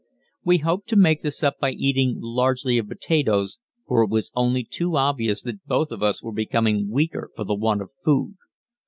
We hoped to make this up by eating largely of potatoes, for it was only too obvious that both of us were becoming weaker for the want of food.